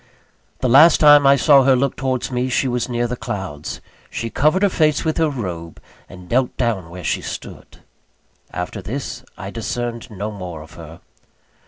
The last time I saw her look towards me, she was near the clouds. She covered her face with her robe, and knelt down where she stood. After this I discerned no more of her.